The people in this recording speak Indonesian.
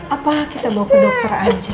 apa kita bawa ke dokter aja